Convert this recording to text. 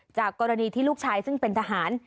จากกรณีที่ลูกชายซึ่งเป็นทหาร